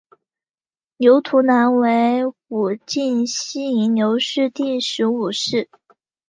刘图南为武进西营刘氏第十五世。